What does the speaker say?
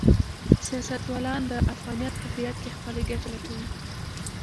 سیاستوالان د افغانیت په هویت کې خپلې ګټې لټوي.